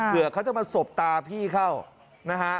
เขาจะมาสบตาพี่เข้านะฮะ